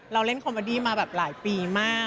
เราเล่นคอมเบอร์ดี้มาแบบหลายปีมาก